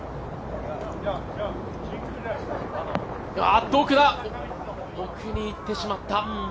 あっと、奥だ、奥にいってしまった。